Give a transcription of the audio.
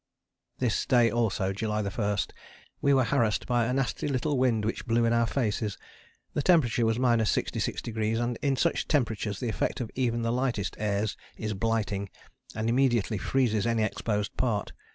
This day also (July 1) we were harassed by a nasty little wind which blew in our faces. The temperature was 66°, and in such temperatures the effect of even the lightest airs is blighting, and immediately freezes any exposed part.